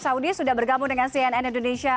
saudi sudah bergabung dengan cnn indonesia